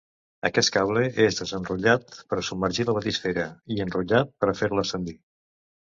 Aquest cable és desenrotllat per a submergir la batisfera, i enrotllat per a fer-la ascendir.